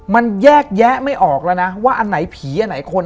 มันแยกแยะไม่ออกแล้วนะว่าอันไหนผีอันไหนคน